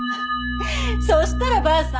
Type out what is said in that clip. そしたらばあさん